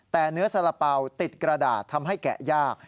แต่เนื้อสาระเป๋าติดกระดาษทำให้แกะยาก